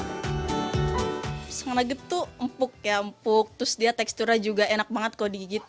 hmm nugget tuh empuk ya empuk terus dia teksturnya juga enak banget kalau digigit